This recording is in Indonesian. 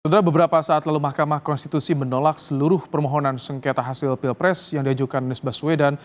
setelah beberapa saat lalu mahkamah konstitusi menolak seluruh permohonan sengketa hasil pilpres yang diajukan anies baswedan